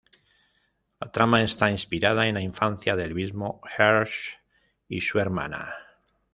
La trama está inspirada en la infancia del mismo Hirsch y su hermana.